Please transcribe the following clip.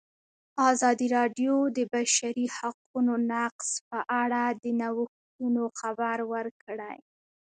ازادي راډیو د د بشري حقونو نقض په اړه د نوښتونو خبر ورکړی.